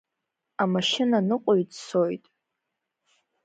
Амашьынаныҟәцаҩ дцоит.